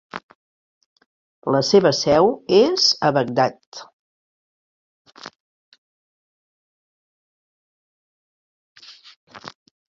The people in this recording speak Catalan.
La seva seu és a Bagdad.